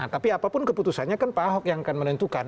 tapi apapun keputusannya kan pak ahok yang akan menentukan